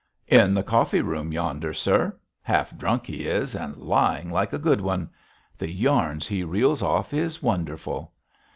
'In the coffee room yonder, sir. Half drunk he is, and lying like a good one. The yarns he reels off is wonderful.'